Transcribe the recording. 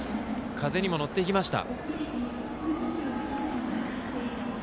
風にも乗っていきました。